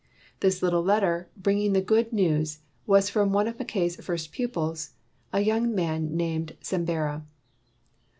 This little letter bringing the good news was from one of Mackay 's first pupils, a young man named Sembera.